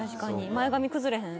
前髪崩れへん。